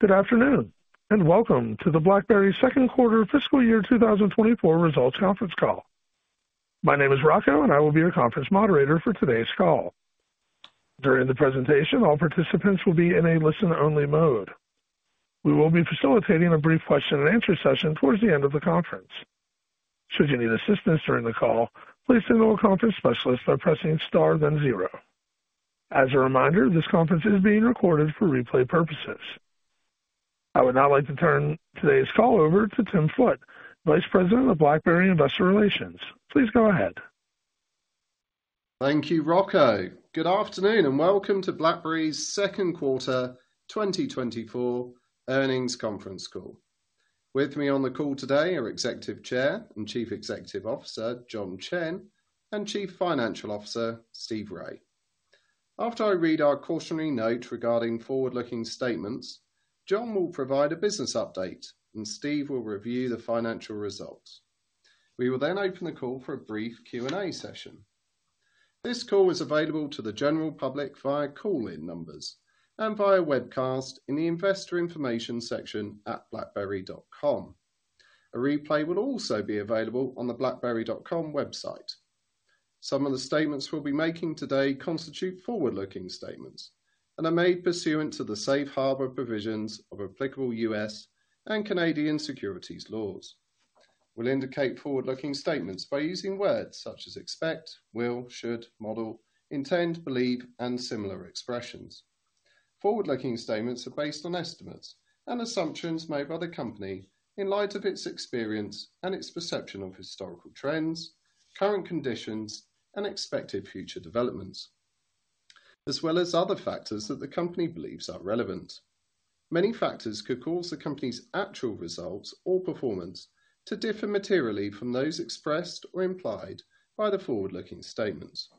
Good afternoon, and welcome to the BlackBerry second quarter fiscal year 2024 results conference call. My name is Rocco, and I will be your conference moderator for today's call. During the presentation, all participants will be in a listen-only mode. We will be facilitating a brief question-and-answer session towards the end of the conference. Should you need assistance during the call, please signal a conference specialist by pressing star then zero. As a reminder, this conference is being recorded for replay purposes. I would now like to turn today's call over to Tim Foote, Vice President of BlackBerry Investor Relations. Please go ahead. Thank you, Rocco. Good afternoon, and welcome to BlackBerry's second quarter 2024 earnings conference call. With me on the call today are Executive Chair and Chief Executive Officer, John Chen, and Chief Financial Officer, Steve Rai. After I read our cautionary note regarding forward-looking statements, John will provide a business update, and Steve will review the financial results. We will then open the call for a brief Q&A session. This call is available to the general public via call-in numbers and via webcast in the Investor Information section at blackberry.com. A replay will also be available on the blackberry.com website. Some of the statements we'll be making today constitute forward-looking statements and are made pursuant to the safe harbor provisions of applicable U.S. and Canadian securities laws. We'll indicate forward-looking statements by using words such as expect, will, should, model, intend, believe, and similar expressions. Forward-looking statements are based on estimates and assumptions made by the company in light of its experience and its perception of historical trends, current conditions, and expected future developments, as well as other factors that the company believes are relevant. Many factors could cause the company's actual results or performance to differ materially from those expressed or implied by the forward-looking statements.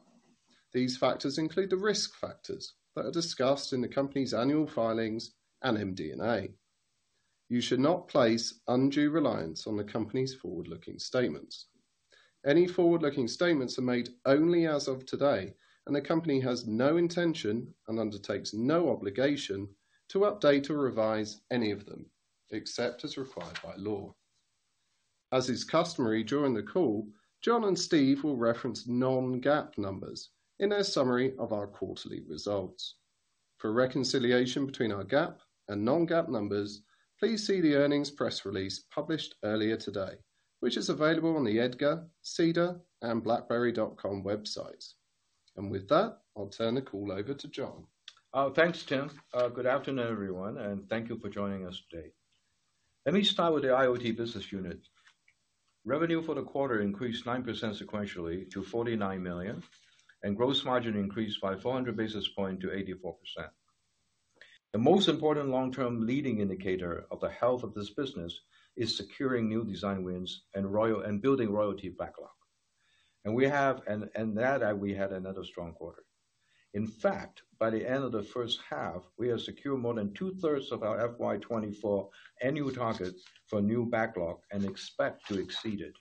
These factors include the risk factors that are discussed in the company's annual filings and MD&A. You should not place undue reliance on the company's forward-looking statements. Any forward-looking statements are made only as of today, and the company has no intention and undertakes no obligation to update or revise any of them, except as required by law. As is customary during the call, John and Steve will reference non-GAAP numbers in their summary of our quarterly results. For a reconciliation between our GAAP and non-GAAP numbers, please see the earnings press release published earlier today, which is available on the EDGAR, SEDAR, and BlackBerry.com websites. With that, I'll turn the call over to John. Thanks, Tim. Good afternoon, everyone, and thank you for joining us today. Let me start with the IoT business unit. Revenue for the quarter increased 9% sequentially to $49 million, and gross margin increased by 400 basis points to 84%. The most important long-term leading indicator of the health of this business is securing new design wins and royalties and building royalty backlog. And we had another strong quarter. In fact, by the end of the first half, we have secured more than 2/3 of our FY 2024 annual targets for new backlog and expect to exceed it.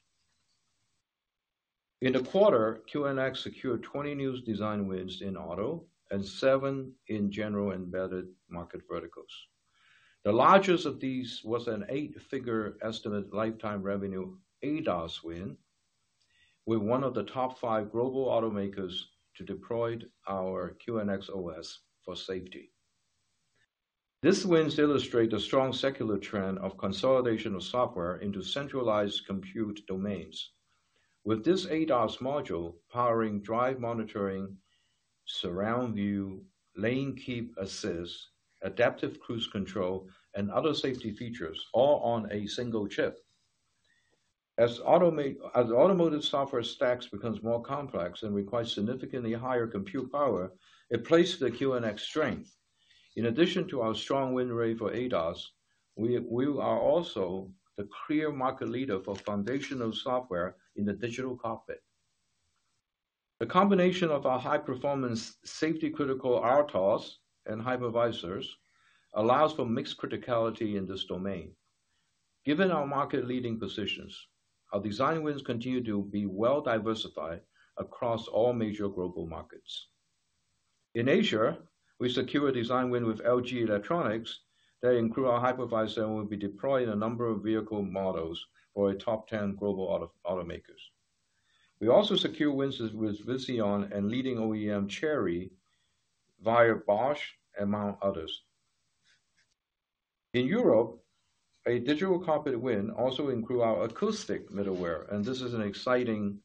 In the quarter, QNX secured 20 new design wins in auto and 7 in general embedded market verticals. The largest of these was an eight-figure estimate, lifetime revenue, ADAS win, with one of the top five global automakers to deploy our QNX OS for Safety. These wins illustrate a strong secular trend of consolidation of software into centralized compute domains. With this ADAS module, powering drive monitoring, surround view, lane keep assist, adaptive cruise control, and other safety features, all on a single chip. As automotive software stacks become more complex and requires significantly higher compute power, it plays to the QNX strength. In addition to our strong win rate for ADAS, we are also the clear market leader for foundational software in the digital cockpit. The combination of our high-performance, safety-critical RTOS and hypervisors allows for mixed criticality in this domain. Given our market leading positions, our design wins continue to be well diversified across all major global markets. In Asia, we secure a design win with LG Electronics that includes our hypervisor, and we'll be deploying a number of vehicle models for a top 10 global auto automakers. We also secure wins with Visteon and leading OEM, Chery, via Bosch, among others. In Europe, a Digital Cockpit win also includes our acoustic middleware, and this is an exciting...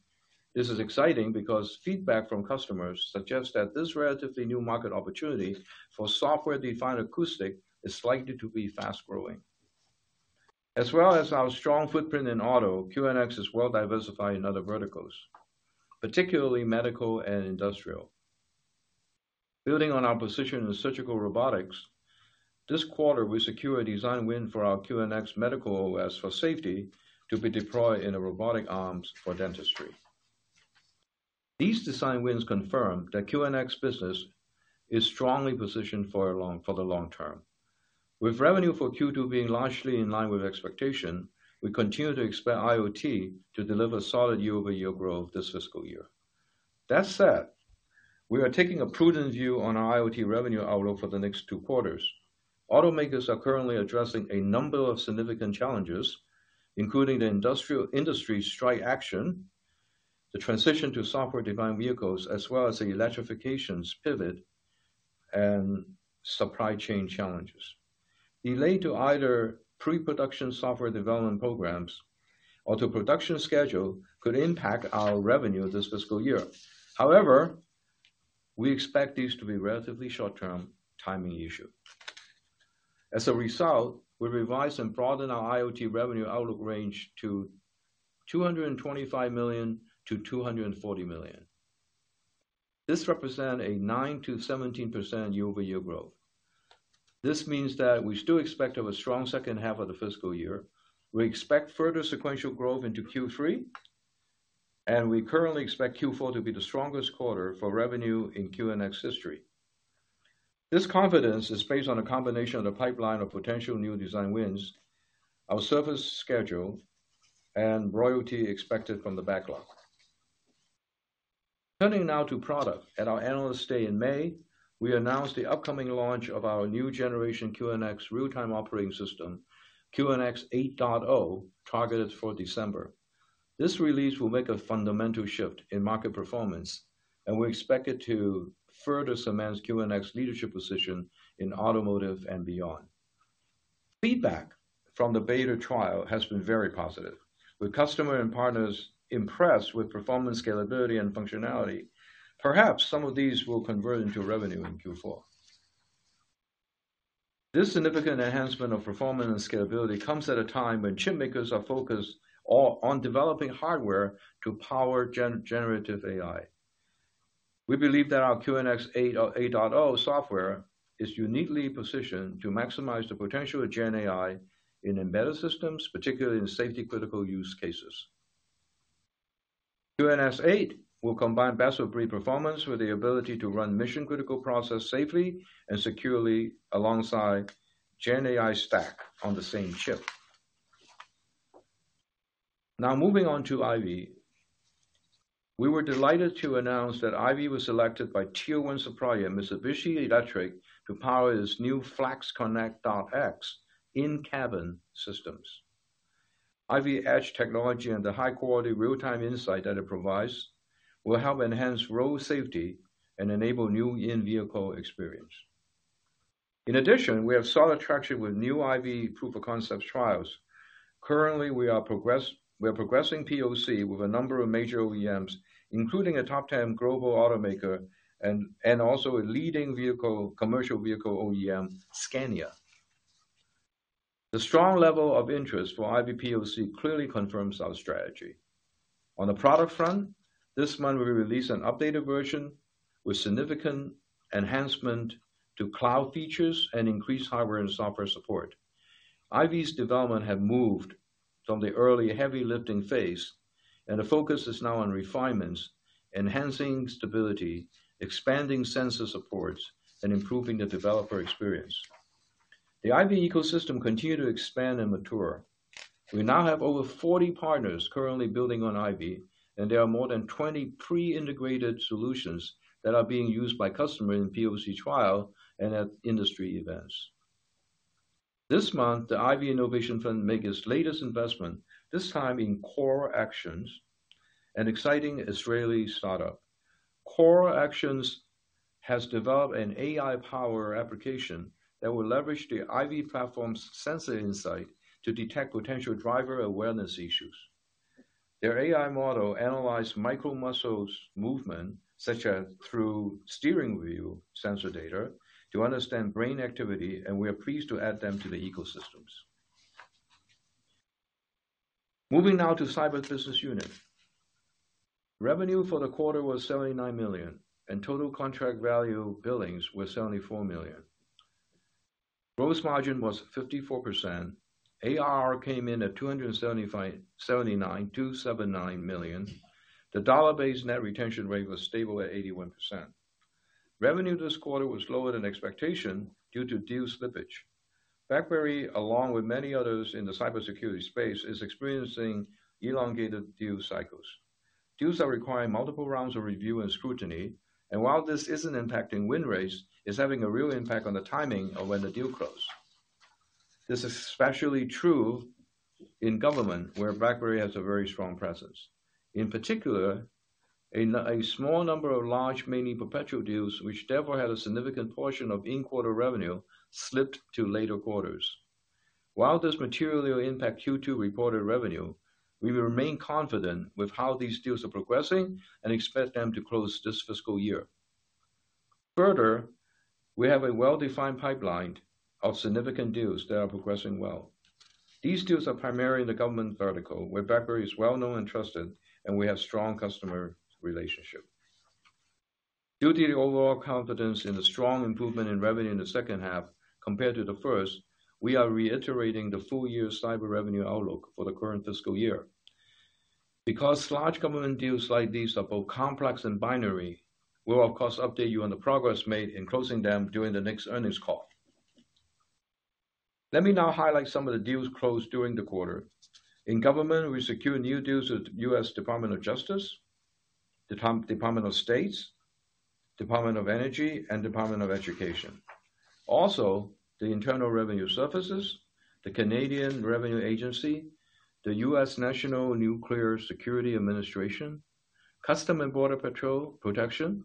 This is exciting because feedback from customers suggests that this relatively new market opportunity for software-defined acoustic is likely to be fast-growing. As well as our strong footprint in auto, QNX is well diversified in other verticals, particularly medical and industrial. Building on our position in surgical robotics, this quarter, we secure a design win for our QNX Medical OS for Safety to be deployed in robotic arms for dentistry. These design wins confirm that QNX business is strongly positioned for a long—for the long term. With revenue for Q2 being largely in line with expectation, we continue to expect IoT to deliver solid year-over-year growth this fiscal year. That said, we are taking a prudent view on our IoT revenue outlook for the next two quarters. Automakers are currently addressing a number of significant challenges, including the UAW strike action, the transition to software-defined vehicles, as well as the electrification pivot and supply chain challenges. Delays to either pre-production software development programs or to production schedules could impact our revenue this fiscal year. However, we expect these to be relatively short-term timing issues. As a result, we revised and broadened our IoT revenue outlook range to $225 million-$240 million. This represents a 9%-17% year-over-year growth. This means that we still expect to have a strong second half of the fiscal year. We expect further sequential growth into Q3, and we currently expect Q4 to be the strongest quarter for revenue in QNX history. This confidence is based on a combination of the pipeline of potential new design wins, our service schedule, and royalty expected from the backlog. Turning now to product. At our Analyst Day in May, we announced the upcoming launch of our new generation QNX real-time operating system, QNX 8.0, targeted for December. This release will make a fundamental shift in market performance, and we expect it to further cement QNX leadership position in automotive and beyond. Feedback from the beta trial has been very positive, with customer and partners impressed with performance, scalability, and functionality. Perhaps some of these will convert into revenue in Q4. This significant enhancement of performance and scalability comes at a time when chipmakers are focused on developing hardware to power generative AI. We believe that our QNX 8.0 software is uniquely positioned to maximize the potential of Gen AI in embedded systems, particularly in safety-critical use cases. QNX 8 will combine best-of-breed performance with the ability to run mission-critical processes safely and securely alongside Gen AI stack on the same chip. Now, moving on to IVY. We were delighted to announce that IVY was selected by Tier 1 supplier, Mitsubishi Electric, to power its new FlexConnect in-cabin systems. IVY Edge technology and the high-quality real-time insight that it provides, will help enhance road safety and enable new in-vehicle experience. In addition, we have solid traction with new IVY proof of concept trials. Currently, we are progressing POC with a number of major OEMs, including a top 10 global automaker and, and also a leading vehicle, commercial vehicle OEM, Scania. The strong level of interest for IVY POC clearly confirms our strategy. On the product front, this month, we released an updated version with significant enhancement to cloud features and increased hardware and software support. IVY's development have moved from the early heavy-lifting phase, and the focus is now on refinements, enhancing stability, expanding sensor supports, and improving the developer experience. The IVY ecosystem continue to expand and mature. We now have over 40 partners currently building on IVY, and there are more than 20 pre-integrated solutions that are being used by customer in POC trial and at industry events. This month, the IVY Innovation Fund make its latest investment, this time in CorrActions, an exciting Israeli startup. CorrActions has developed an AI-powered application that will leverage the IVY platform's sensor insight to detect potential driver awareness issues. Their AI model analyzes micro muscles movement, such as through steering wheel sensor data, to understand brain activity, and we are pleased to add them to the ecosystems. Moving now to Cyber business unit. Revenue for the quarter was $79 million, and total contract value billings were $74 million. Gross margin was 54%. ARR came in at $275.79 million. The dollar-based net retention rate was stable at 81%. Revenue this quarter was lower than expectation due to deal slippage. BlackBerry, along with many others in the cybersecurity space, is experiencing elongated deal cycles. Deals are requiring multiple rounds of review and scrutiny, and while this isn't impacting win rates, it's having a real impact on the timing of when the deals close. This is especially true in government, where BlackBerry has a very strong presence. In particular, in a small number of large, mainly perpetual deals, which therefore had a significant portion of in-quarter revenue slipped to later quarters. While this materially impacts Q2 reported revenue, we remain confident with how these deals are progressing and expect them to close this fiscal year. Further, we have a well-defined pipeline of significant deals that are progressing well. These deals are primarily in the government vertical, where BlackBerry is well-known and trusted, and we have strong customer relationships. Due to the overall confidence in the strong improvement in revenue in the second half compared to the first, we are reiterating the full-year cyber revenue outlook for the current fiscal year. Because large government deals like these are both complex and binary, we will, of course, update you on the progress made in closing them during the next earnings call. Let me now highlight some of the deals closed during the quarter. In government, we secured new deals with U.S. Department of Justice, Department of State, Department of Energy, and Department of Education. Also, the Internal Revenue Service, the Canadian Revenue Agency, the U.S. National Nuclear Security Administration, Customs and Border Protection,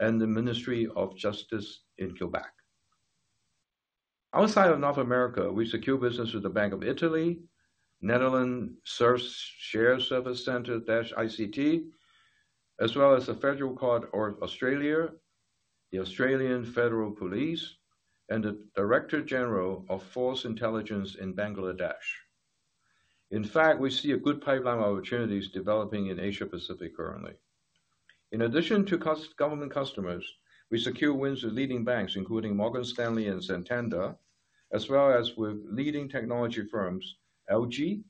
and the Ministry of Justice in Quebec. Outside of North America, we secured business with the Bank of Italy, Netherlands Shared Service Center-ICT, as well as the Federal Court of Australia, the Australian Federal Police, and the Directorate General of Forces Intelligence in Bangladesh. In fact, we see a good pipeline of opportunities developing in Asia-Pacific currently. In addition to government customers, we secure wins with leading banks, including Morgan Stanley and Santander, as well as with leading technology firms, LG,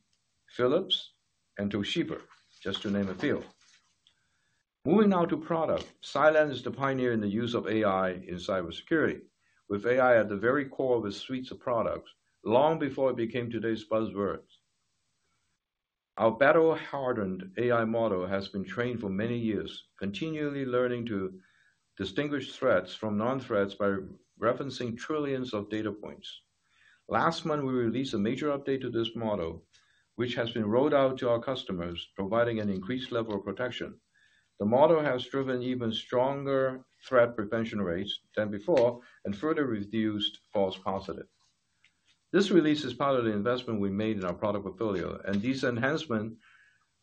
Philips, and Toshiba, just to name a few. Moving now to product. Cylance is the pioneer in the use of AI in cybersecurity, with AI at the very core of its suites of products long before it became today's buzzwords. Our battle-hardened AI model has been trained for many years, continually learning to distinguish threats from non-threats by referencing trillions of data points. Last month, we released a major update to this model, which has been rolled out to our customers, providing an increased level of protection. The model has driven even stronger threat prevention rates than before and further reduced false positive. This release is part of the investment we made in our product portfolio, and these enhancements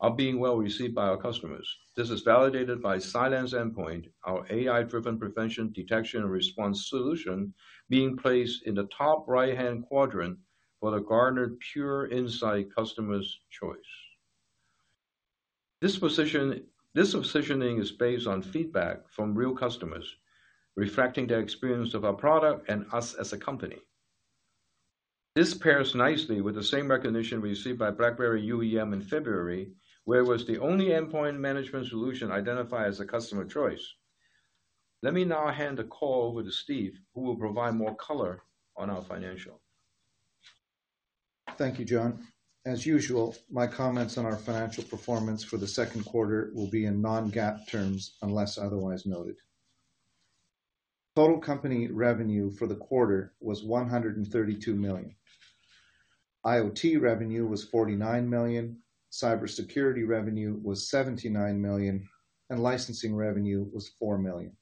are being well received by our customers. This is validated by CylanceENDPOINT, our AI-driven prevention, detection, and response solution being placed in the top right-hand quadrant for the Gartner Peer Insights Customer's Choice. This position, this positioning is based on feedback from real customers, reflecting their experience of our product and us as a company. This pairs nicely with the same recognition received by BlackBerry UEM in February, where it was the only endpoint management solution identified as a Customer's Choice. Let me now hand the call over to Steve, who will provide more color on our financial. Thank you, John. As usual, my comments on our financial performance for the second quarter will be in non-GAAP terms, unless otherwise noted. Total company revenue for the quarter was $132 million. IoT revenue was $49 million, cybersecurity revenue was $79 million, and licensing revenue was $4 million.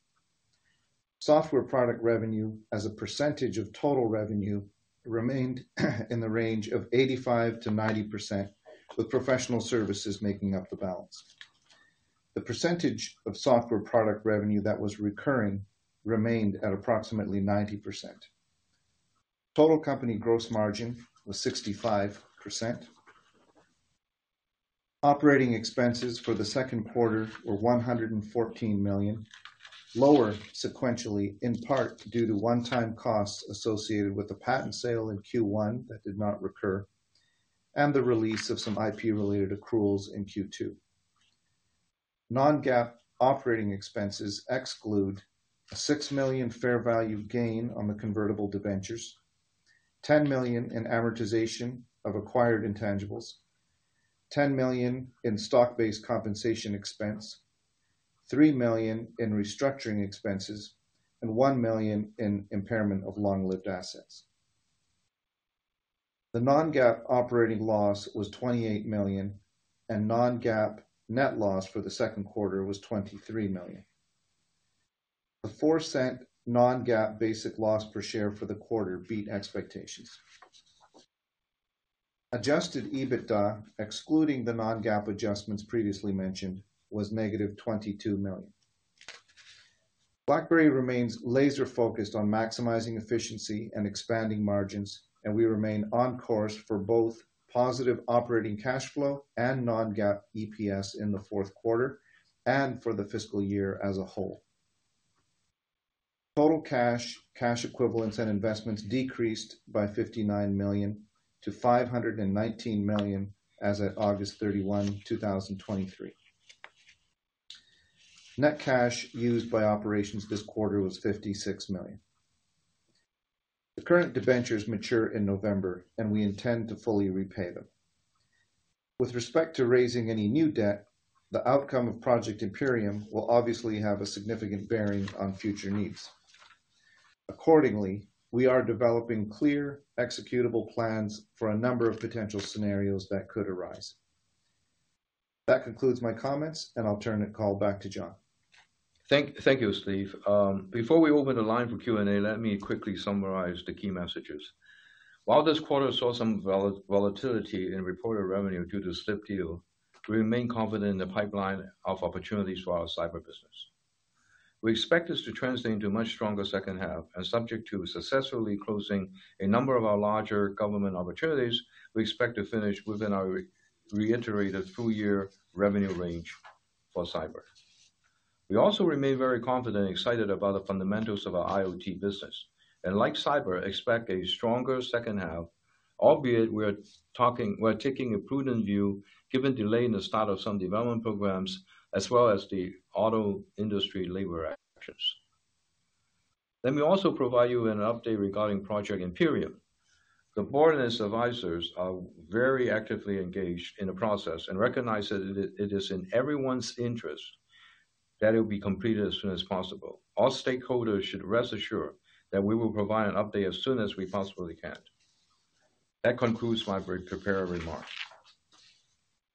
Software product revenue, as a percentage of total revenue, remained in the range of 85%-90%, with professional services making up the balance. The percentage of software product revenue that was recurring remained at approximately 90%. Total company gross margin was 65%. Operating expenses for the second quarter were $114 million, lower sequentially, in part, due to one-time costs associated with the patent sale in Q1 that did not recur, and the release of some IP-related accruals in Q2. Non-GAAP operating expenses exclude a $6 million fair value gain on the convertible debentures, $10 million in amortization of acquired intangibles, $10 million in stock-based compensation expense, $3 million in restructuring expenses, and $1 million in impairment of long-lived assets. The non-GAAP operating loss was $28 million, and non-GAAP net loss for the second quarter was $23 million. The $0.04 non-GAAP basic loss per share for the quarter beat expectations. Adjusted EBITDA, excluding the non-GAAP adjustments previously mentioned, was -$22 million. BlackBerry remains laser-focused on maximizing efficiency and expanding margins, and we remain on course for both positive operating cash flow and non-GAAP EPS in the fourth quarter and for the fiscal year as a whole. Total cash, cash equivalents, and investments decreased by $59 million to $519 million as at August 31st, 2023. Net cash used by operations this quarter was $56 million. The current debentures mature in November, and we intend to fully repay them. With respect to raising any new debt, the outcome of Project Imperium will obviously have a significant bearing on future needs. Accordingly, we are developing clear executable plans for a number of potential scenarios that could arise. That concludes my comments, and I'll turn the call back to John. Thank you, Steve. Before we open the line for Q&A, let me quickly summarize the key messages. While this quarter saw some volatility in reported revenue due to slipped deals, we remain confident in the pipeline of opportunities for our cyber business. We expect this to translate into a much stronger second half and subject to successfully closing a number of our larger government opportunities, we expect to finish within our reiterated full-year revenue range for cyber. We also remain very confident and excited about the fundamentals of our IoT business. Like cyber, expect a stronger second half, albeit we're taking a prudent view, given delay in the start of some development programs, as well as the auto industry labor actions. Let me also provide you an update regarding Project Imperium. The board and its advisors are very actively engaged in the process and recognize that it is in everyone's interest that it will be completed as soon as possible. All stakeholders should rest assured that we will provide an update as soon as we possibly can. That concludes my prepared remarks.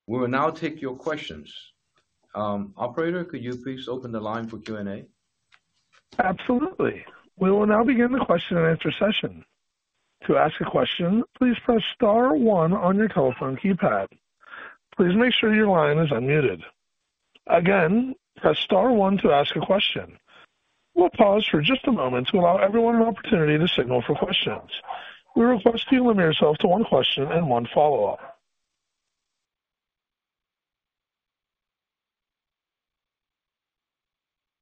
We will now take your questions. Operator, could you please open the line for Q&A? Absolutely. We will now begin the question-and-answer session. To ask a question, please press star one on your telephone keypad. Please make sure your line is unmuted. Again, press star one to ask a question. We'll pause for just a moment to allow everyone an opportunity to signal for questions. We request you limit yourself to one question and one follow-up.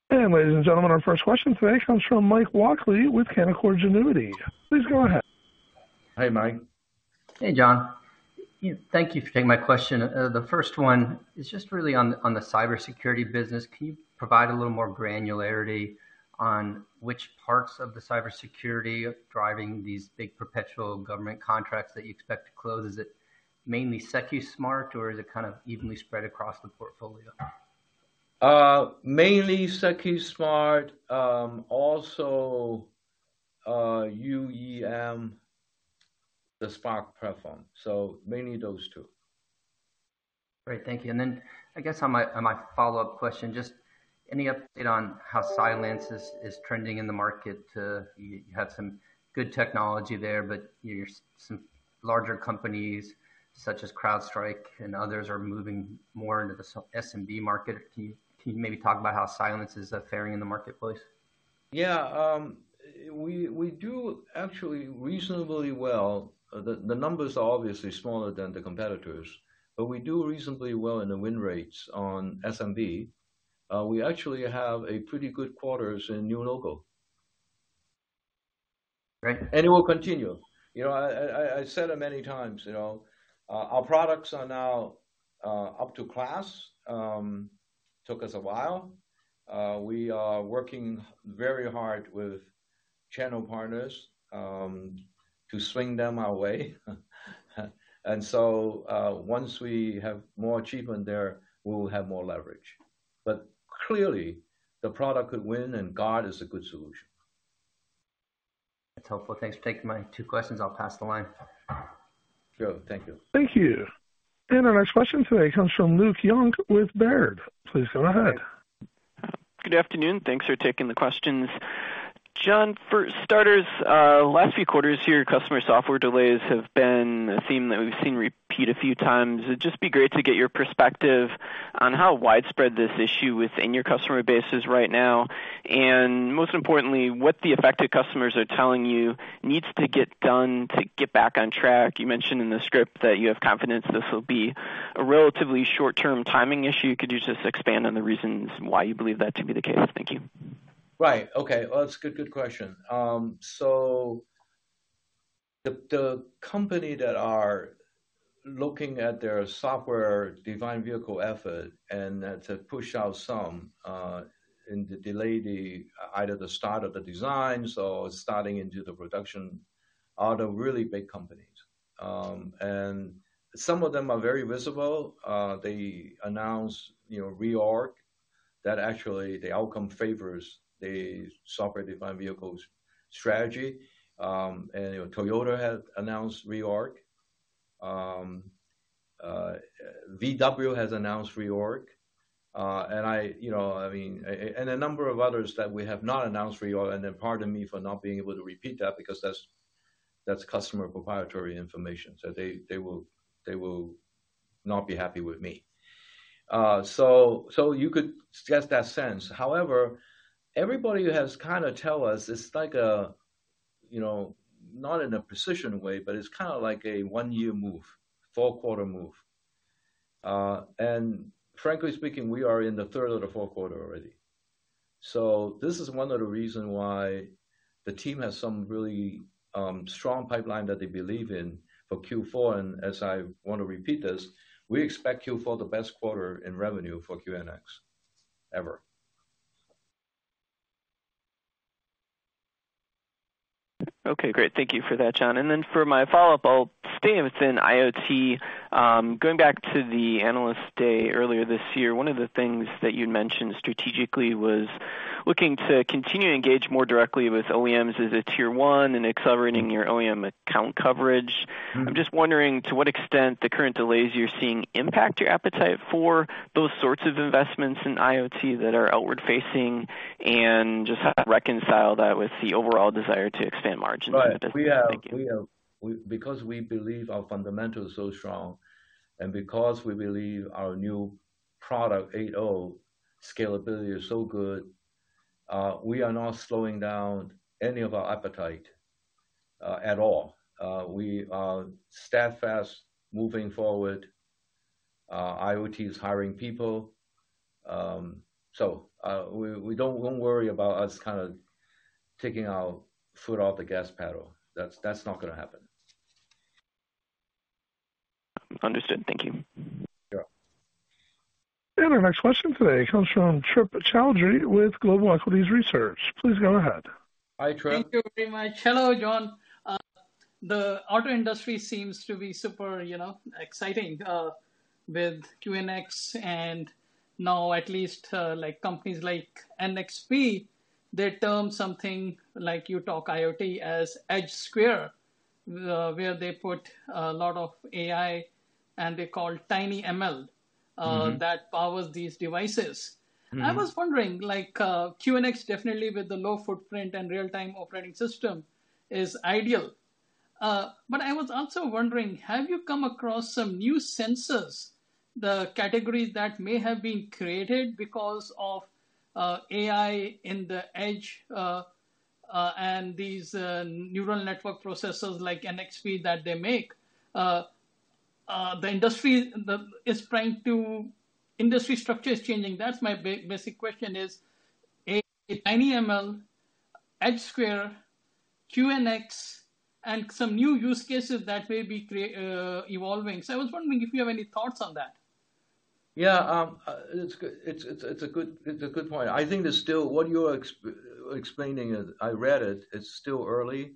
And ladies and gentlemen, our first question today comes from Mike Walkley with Canaccord Genuity. Please go ahead. Hey, Mike. Hey, John. Thank you for taking my question. The first one is just really on the cybersecurity business. Can you provide a little more granularity on which parts of the cybersecurity are driving these big perpetual government contracts that you expect to close? Is it mainly Secusmart, or is it kind of evenly spread across the portfolio? Mainly Secusmart, also UEM, the Spark platform, so mainly those two. Great, thank you. Then I guess on my follow-up question, just any update on how Cylance is trending in the market? You had some good technology there, but you know, some larger companies such as CrowdStrike and others are moving more into the SMB market. Can you maybe talk about how Cylance is faring in the marketplace? Yeah, we do actually reasonably well. The numbers are obviously smaller than the competitors, but we do reasonably well in the win rates on SMB. We actually have a pretty good quarters in new logo. Great. And it will continue. You know, I said it many times, you know, our products are now up to class. Took us a while. We are working very hard with channel partners to swing them our way. And so, once we have more achievement there, we will have more leverage. But clearly the product could win, and Guard is a good solution. That's helpful. Thanks for taking my two questions. I'll pass the line. Sure. Thank you. Thank you. Our next question today comes from Luke Junk with Baird. Please go ahead. Good afternoon. Thanks for taking the questions. John, for starters, last few quarters here, customer software delays have been a theme that we've seen repeat a few times. It'd just be great to get your perspective on how widespread this issue within your customer base is right now, and most importantly, what the affected customers are telling you needs to get done to get back on track. You mentioned in the script that you have confidence this will be a relatively short-term timing issue. Could you just expand on the reasons why you believe that to be the case? Thank you. Right, okay. Well, that's a good, good question. So the company that are looking at their software-defined vehicle effort and that have pushed out some and delayed the either the start of the designs or starting into the production are the really big companies. And some of them are very visible. They announce reorg, that actually the outcome favors the software-defined vehicles strategy. And, you know, Toyota has announced reorg. VW has announced reorg, and I, you know, I mean, and a number of others that we have not announced reorg, and then pardon me for not being able to repeat that because that's customer proprietary information, so they will not be happy with me. So you could get that sense. However, everybody has kinda tell us it's like a, you know, not in a precision way, but it's kind of like a one-year move, four-quarter move. And frankly speaking, we are in the third of the four quarter already. So this is one of the reasons why the team has some really strong pipeline that they believe in for Q4. And as I want to repeat this, we expect Q4 the best quarter in revenue for QNX ever. Okay, great. Thank you for that, John. And then for my follow-up, I'll stay within IoT. Going back to the Analyst Day earlier this year, one of the things that you'd mentioned strategically was looking to continue to engage more directly with OEMs as a Tier 1 and accelerating your OEM account coverage. I'm just wondering to what extent the current delays you're seeing impact your appetite for those sorts of investments in IoT that are outward facing, and just how to reconcile that with the overall desire to expand margins in the business? Thank you. Right. We are, because we believe our fundamentals are so strong and because we believe our new product, 8.0, scalability is so good, we are not slowing down any of our appetite at all. We are steadfast moving forward. IoT is hiring people. So, we won't worry about us kind of taking our foot off the gas pedal. That's not gonna happen. Understood. Thank you. Yeah. Our next question today comes from Trip Chowdhry with Global Equities Research. Please go ahead. Hi, Trip. Thank you very much. Hello, John. The auto industry seems to be super, you know, exciting with QNX and now at least like companies like NXP. They term something like you talk IoT as Edge AI, where they put a lot of AI, and they call TinyML that powers these devices. I was wondering, like, QNX definitely with the low footprint and real-time operating system is ideal. But I was also wondering, have you come across some new sensors, the categories that may have been created because of AI in the Edge, and these neural network processors like NXP that they make? The industry structure is changing. That's my basic question is, TinyML, Edge AI, QNX, and some new use cases that may be evolving. So I was wondering if you have any thoughts on that? Yeah, it's a good point. I think there's still what you are explaining. I read it, it's still early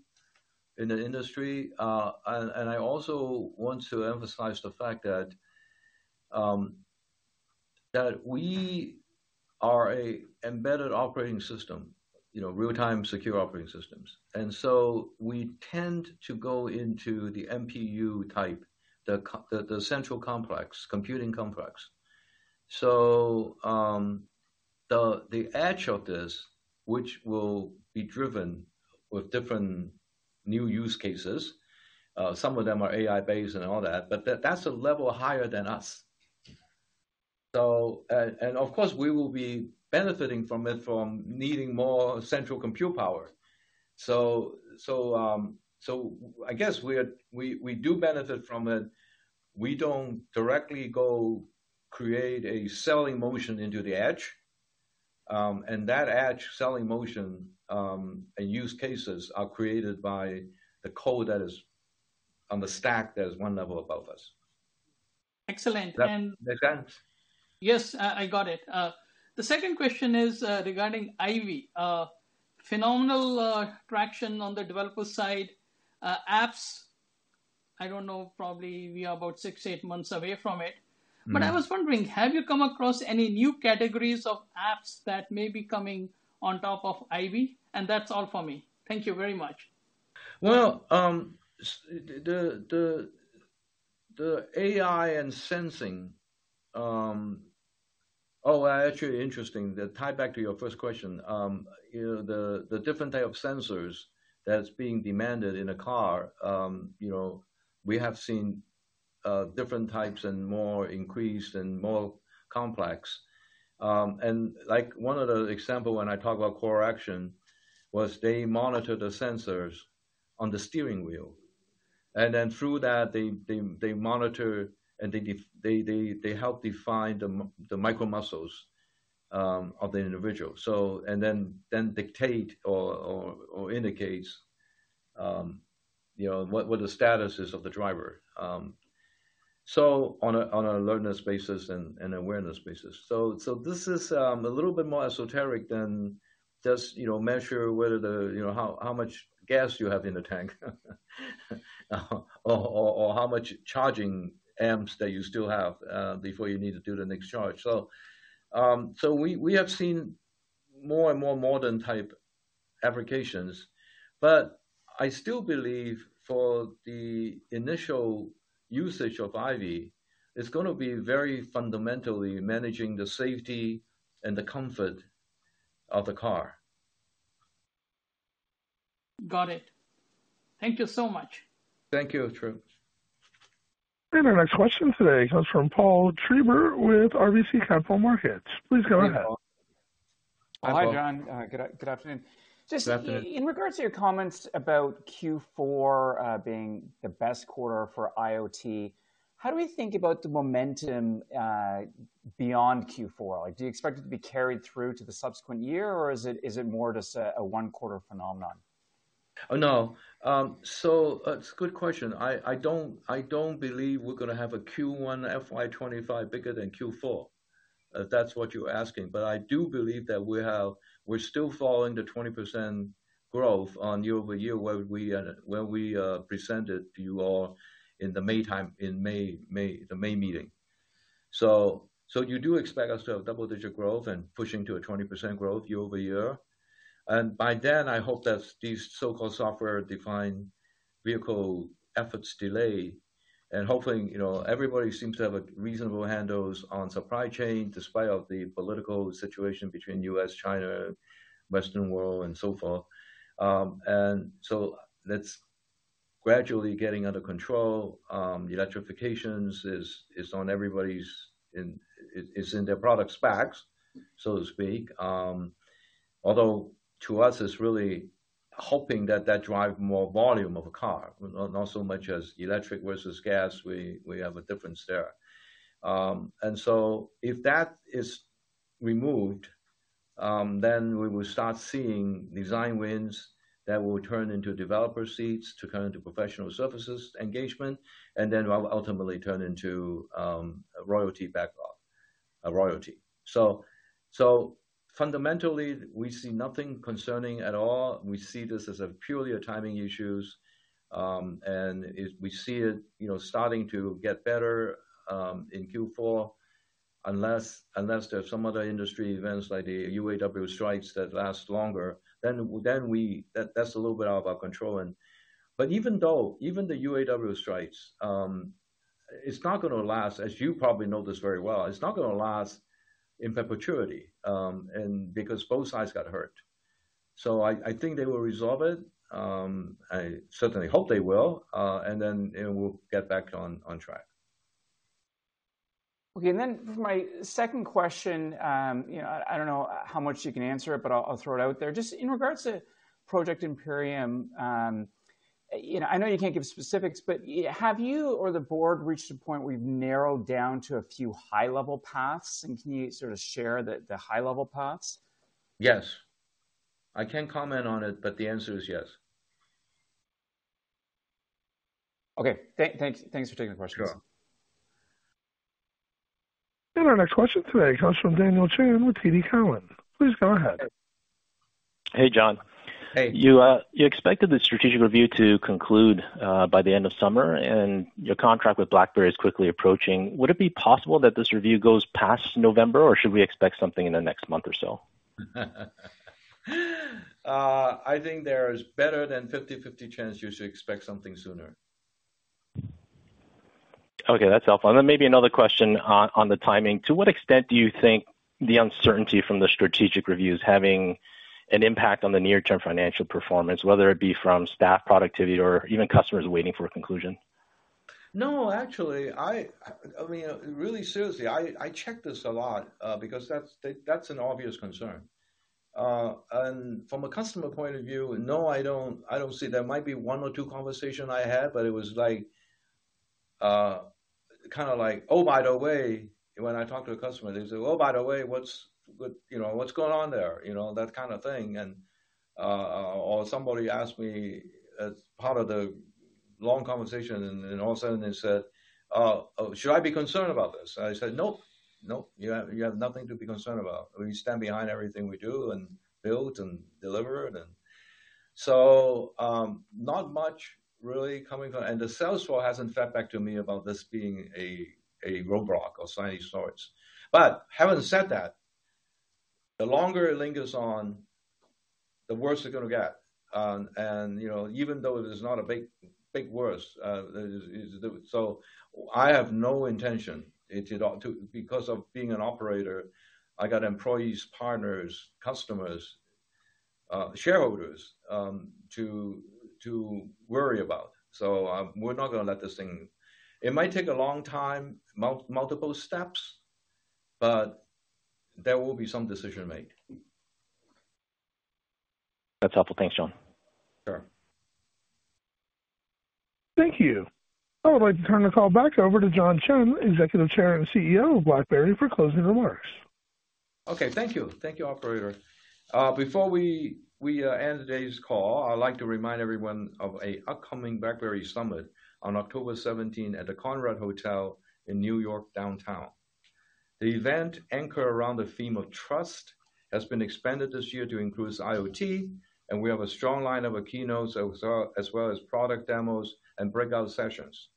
in the industry. And I also want to emphasize the fact that we are an embedded operating system, you know, real-time secure operating systems. And so we tend to go into the MPU type, the central computing complex. So, the edge of this, which will be driven with different new use cases, some of them are AI-based and all that, but that's a level higher than us. So, and of course, we will be benefiting from it, from needing more central compute power. So, I guess we do benefit from it. We don't directly go create a selling motion into the edge, and that edge selling motion and use cases are created by the code that is on the stack that is one level above us. Excellent. And- Make sense? Yes, I got it. The second question is regarding IVY. Phenomenal traction on the developer side, apps, I don't know, probably we are about 6-8 months away from it. I was wondering, have you come across any new categories of apps that may be coming on top of IVY? That's all for me. Thank you very much. Well, the AI and sensing. Oh, actually interesting, to tie back to your first question, you know, the different type of sensors that's being demanded in a car, you know, we have seen different types and more increased and more complex. And like one of the example when I talk about CorrActions, was they monitor the sensors on the steering wheel, and then through that, they monitor and they give they help define the micro muscles of the individual. So, and then dictate or indicates, you know, what the status is of the driver, so on a alertness basis and awareness basis. So, this is a little bit more esoteric than just, you know, measure whether the, you know, how much gas you have in the tank, or how much charging amps that you still have before you need to do the next charge. So, we have seen more and more modern type applications, but I still believe for the initial usage of IVY, it's gonna be very fundamentally managing the safety and the comfort of the car. Got it. Thank you so much. Thank you, Trip. Our next question today comes from Paul Treiber with RBC Capital Markets. Please go ahead. Hey, Paul. Hi, John. Good afternoon. Afternoon. Just in regards to your comments about Q4, being the best quarter for IoT, how do we think about the momentum, beyond Q4? Like, do you expect it to be carried through to the subsequent year, or is it more just a one-quarter phenomenon? No. So it's a good question. I, I don't, I don't believe we're gonna have a Q1 FY 2025 bigger than Q4, if that's what you're asking. But I do believe that we have-- we're still following the 20% growth year-over-year, where we, where we, presented to you all in the May time, in May, May, the May meeting. So, so you do expect us to have double-digit growth and pushing to a 20% growth year-over-year. And by then, I hope that these so-called software-defined vehicle efforts delay, and hopefully, you know, everybody seems to have a reasonable handles on supply chain, despite of the political situation between U.S., China, Western world, and so forth. And so let's gradually getting under control. The electrifications is on everybody's, it's in their product specs, so to speak. Although to us, it's really hoping that that drive more volume of a car, not, not so much as electric versus gas, we have a difference there. And so if that is removed, then we will start seeing design wins that will turn into developer seats, to turn into professional services engagement, and then will ultimately turn into, a royalty back off, a royalty. So, so fundamentally, we see nothing concerning at all. We see this as a purely a timing issues, and it, we see it, you know, starting to get better, in Q4, unless, unless there are some other industry events like the UAW strikes that last longer, then that's a little bit out of our control. But even though, even the UAW strikes, it's not gonna last, as you probably know this very well. It's not gonna last in perpetuity, and because both sides got hurt. So I, I think they will resolve it. I certainly hope they will, and then, and we'll get back on track. Okay, and then my second question, you know, I don't know how much you can answer it, but I'll throw it out there. Just in regards to Project Imperium, you know, I know you can't give specifics, but have you or the board reached a point where you've narrowed down to a few high-level paths? And can you sort of share the high-level paths? Yes. I can't comment on it, but the answer is yes. Okay. Thanks, thanks for taking the questions. Sure. Our next question today comes from Daniel Chan with TD Cowen. Please go ahead. Hey, John. Hey. You expected the strategic review to conclude by the end of summer, and your contract with BlackBerry is quickly approaching. Would it be possible that this review goes past November, or should we expect something in the next month or so? I think there is better than 50/50 chance you should expect something sooner. Okay, that's helpful. And then maybe another question on the timing. To what extent do you think the uncertainty from the strategic review is having an impact on the near-term financial performance, whether it be from staff productivity or even customers waiting for a conclusion? No, actually, I mean, really seriously, I check this a lot, because that's an obvious concern. And from a customer point of view, no, I don't see. There might be one or two conversation I had, but it was like, kinda like, "Oh, by the way," when I talk to a customer, they say, "Oh, by the way, what's with, you know, what's going on there?" You know, that kind of thing. And or somebody asked me as part of the long conversation, and all of a sudden they said, "Should I be concerned about this?" I said, "Nope. Nope, you have nothing to be concerned about. We stand behind everything we do and build and deliver it." And so, not much really coming from... The sales floor hasn't fed back to me about this being a roadblock of any sorts. But having said that, the longer it lingers on, the worse it's gonna get. And, you know, even though it is not a big, big worse, it is, so I have no intention it to do-- Because of being an operator, I got employees, partners, customers, shareholders, to worry about. So, we're not gonna let this thing. It might take a long time, multiple steps, but there will be some decision made. That's helpful. Thanks, John. Sure. Thank you. I would like to turn the call back over to John Chen, Executive Chair and CEO of BlackBerry, for closing remarks. Okay, thank you. Thank you, operator. Before we end today's call, I'd like to remind everyone of an upcoming BlackBerry Summit on October 17th at the Conrad Hotel, New York Downtown. The event, anchored around the theme of trust, has been expanded this year to include IoT, and we have a strong line of keynotes, as well, as well as product demos and breakout sessions.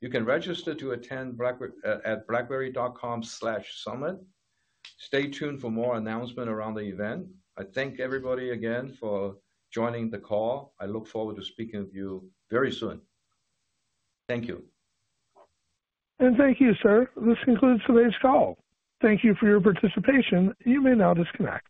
You can register to attend at blackberry.com/summit. Stay tuned for more announcement around the event. I thank everybody again for joining the call. I look forward to speaking with you very soon. Thank you. Thank you, sir. This concludes today's call. Thank you for your participation. You may now disconnect.